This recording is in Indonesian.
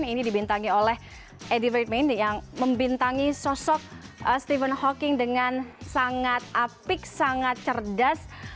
ini dibintangi oleh edivin yang membintangi sosok stephen hawking dengan sangat apik sangat cerdas